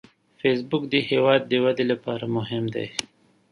فېسبوک د هیواد د ودې لپاره مهم دی